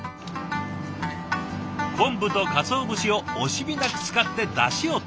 昆布とカツオ節を惜しみなく使ってだしをとる。